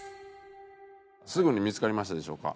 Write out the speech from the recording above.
すぐに見付かりましたでしょうか？